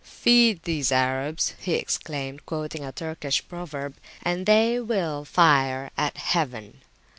Feed these Arabs, he exclaimed, quoting a Turkish proverb, and [p.147] they will fire at Heaven!